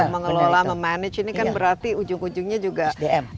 mengelola memanage ini kan berarti ujung ujungnya juga